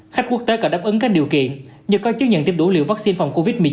khách quốc tế có đáp ứng các điều kiện như có chứng nhận tiếp đủ liệu vaccine phòng covid một mươi chín